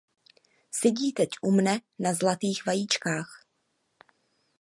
Sedí teď u mne na zlatých vajíčkách.